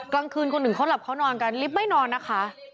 กลางคืนคนอื่นเขาหลับเขานอนกันลิฟต์ไม่นอนนะคะ